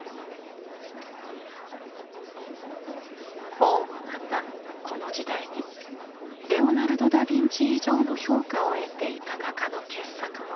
王はまたこの時代にレオナルド・ダ・ヴィンチ以上の評価を得ていた画家の傑作も手に入れました。